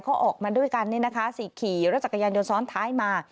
เขาออกมาด้วยกันเนี่ยนะคะสิขี่รถจักรยานยนต์ซ้อนท้ายมา